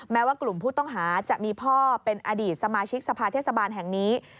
แม้ว่ากลุ่มผู้ต้องหาจะมีพ่อเป็นอดีตสมาชิกสภาเทศบาลแห่งนี้